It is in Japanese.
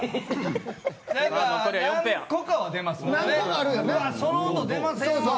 何個かは出ますもんね。